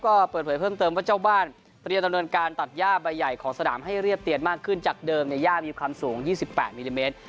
ก็เปิดเผยเพิ่มเติมว่าเจ้าบ้านเตรียมดำเนินการตัดย่าใบใหญ่ของสนามให้เรียบเตียนมากขึ้นจากเดิมเนี่ยย่ามีความสูง๒๘มิลลิเมตร